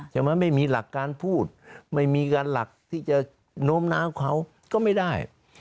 ไม่มีหลักการพูดไม่มีการหลักที่จะโน้มน้าวเขาก็ไม่ได้